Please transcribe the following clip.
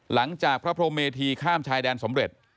หลังจากพระพรมเมธีข้ามชายแดนสำเร็จ